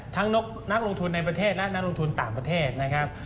นักลงทุนในประเทศและนักลงทุนต่างประเทศนะครับ